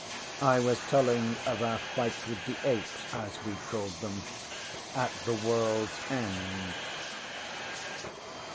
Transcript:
I was telling of our fight with the apes, as ye called them, at the worldŌĆÖs end.